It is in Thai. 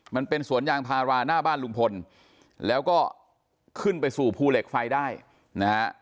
มันเป็นสวนยางพาราหน้าบ้านลุงพลแล้วก็ขึ้นไปสู่ภูเหล็กไฟได้นะฮะ